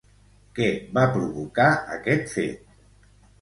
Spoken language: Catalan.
Què va provocar aquest fet?